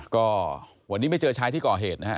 ก็วันนี้ไม่เจอชายที่ก่อเหตุนะฮะ